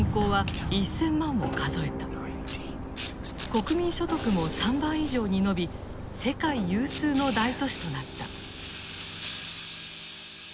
国民所得も３倍以上に伸び世界有数の大都市となった。